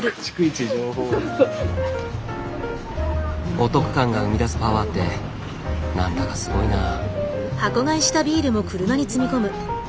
お得感が生み出すパワーって何だかすごいなぁ。